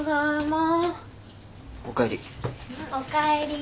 おかえり。